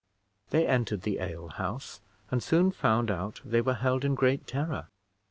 They entered the ale house, and soon found out they were held in great terror.